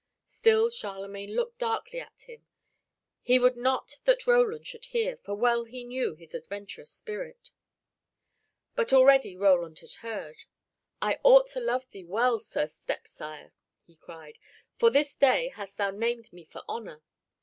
Still Charlemagne looked darkly at him. He would not that Roland should hear, for well he knew his adventurous spirit. But already Roland had heard. "I ought to love thee well, Sir Stepsire," he cried, "for this day hast thou named me for honor.